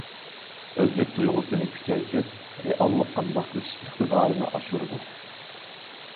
ئۆزلۈك تۇيغۇسىنى كۈچەيتىپ، رېئاللىققا ماسلىشىش ئىقتىدارىنى ئاشۇرىدۇ.